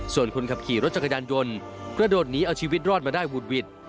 ส่วนคนขับขี่รถจักรยานยนต์กระโดดหนีเอาชีวิตรอดมาได้หุดหวิด